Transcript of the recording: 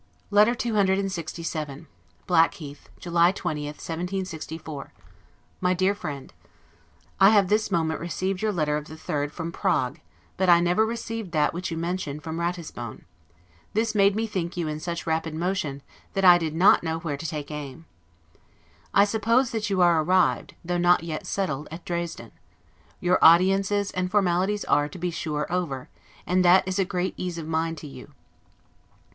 LETTER CCLXVII BLACKHEATH, July 20, 1764. MY DEAR FRIEND: I have this moment received your letter of the 3d from Prague, but I never received that which you mention from Ratisbon; this made me think you in such rapid motion, that I did not know where to take aim. I now suppose that you are arrived, though not yet settled, at Dresden; your audiences and formalities are, to be sure, over, and that is great ease of mind to you.